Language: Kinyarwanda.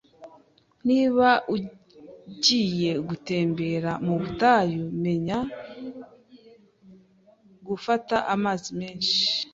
Niba ugiye gutembera mu butayu, menya gufata amazi menshi.